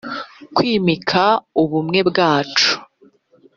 kwimika ubumwe bwacu